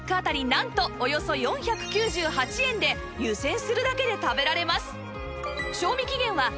なんとおよそ４９８円で湯せんするだけで食べられます